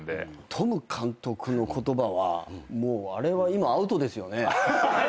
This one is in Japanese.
トム監督の言葉はもうあれは今アウトですよね？